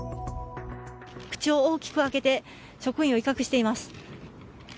口を大きく開けて職員を威嚇しています。